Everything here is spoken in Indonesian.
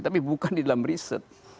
tapi bukan di dalam riset